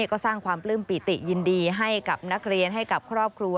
ก็สร้างความปลื้มปิติยินดีให้กับนักเรียนให้กับครอบครัว